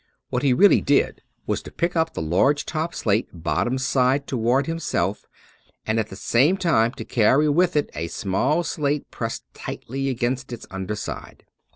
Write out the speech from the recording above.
What he really did was to pick up the large top slate, bottom side toward himself, and at the same time to carry with it a small slate pressed tightly against its under side.